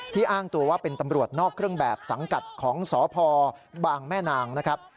อ้างตัวว่าเป็นตำรวจนอกเครื่องแบบสังกัดของสพบางแม่นางนะครับ